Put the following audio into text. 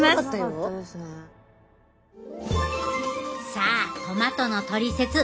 さあトマトのトリセツ